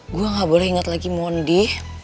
aku tidak boleh ingat lagi mon di